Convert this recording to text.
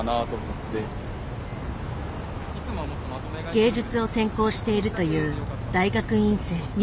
芸術を専攻しているという大学院生。